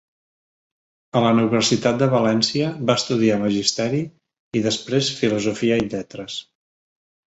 A la Universitat de València va estudiar Magisteri i després Filosofia i Lletres.